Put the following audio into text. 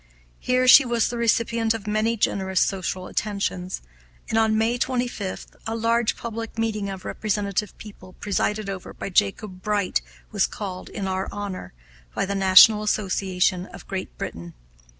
Here she was the recipient of many generous social attentions, and, on May 25, a large public meeting of representative people, presided over by Jacob Bright, was called, in our honor, by the National Association of Great Britain.